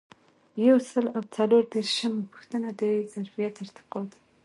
یو سل او څلور دیرشمه پوښتنه د ظرفیت ارتقا ده.